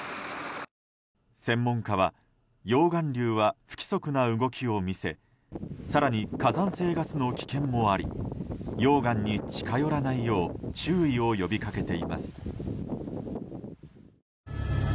専門家は溶岩流は不規則な動きを見せ更に火山性ガスの危険もあり溶岩に近寄らないよう注意を呼びかけています。